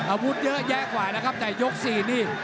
อาวุธเยอะแยะกว่านะครับแต่ยก๔นี่